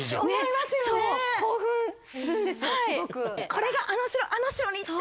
これがあの城あの城にって。